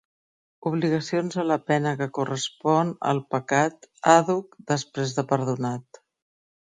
Obligacions a la pena que correspon al pecat àdhuc després de perdonat.